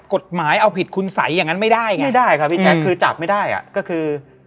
กฎหมายเอาผิดคุณสัยอย่างนั้นไม่ได้ไงไม่ได้ค่ะพี่แจ๊คคือจับไม่ได้อ่ะก็คือ